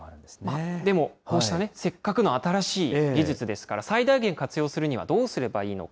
でも、こうしたね、せっかくの新しい技術ですから、最大限活用するにはどうすればいいのか。